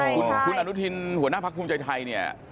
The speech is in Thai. คุณอนุทินหัวหน้าพักภูมิใจไทยเนี่ย